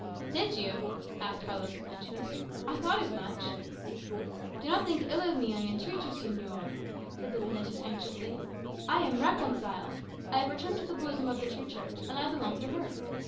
"Did you?" asked Carlos with interest. "I thought as much." "Do not think ill of me, I entreat of you, señor," said the penitent anxiously. "I am reconciled. I have returned to the bosom of the true Church, and I belong to her.